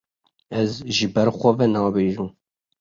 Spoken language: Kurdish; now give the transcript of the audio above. Ez ji ber xwe ve nabêjim.